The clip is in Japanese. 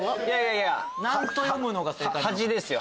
何と読むのが正解ですか？